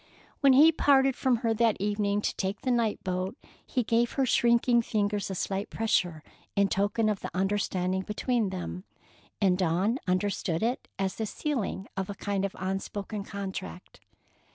When he parted from her that evening to take the night boat, he gave her shrinking fingers a slight pressure in token of the understanding between them, and Dawn understood it as the sealing of a kind of unspoken contract.